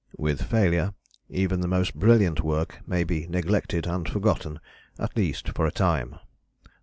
With failure even the most brilliant work may be neglected and forgotten, at least for a time.